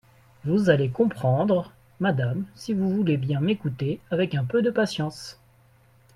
Vous allez comprendre, madame, si vous voulez bien m'écouter avec un peu de patience.